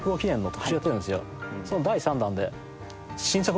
その第３弾で。